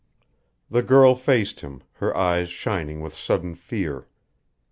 The girl faced him, her eyes shining with sudden fear.